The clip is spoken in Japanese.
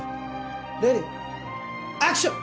レディアクション！